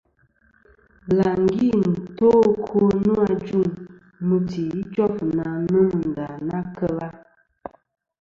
Bɨlàŋgi nto ɨkwo nô ajuŋ mɨti ijof na nomɨ nda na kel a.